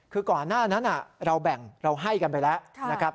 คือก่อนหน้านั้นเราแบ่งเราให้กันไปแล้วนะครับ